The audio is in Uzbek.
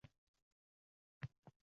Undan beshavqatroq ikkkinchi odam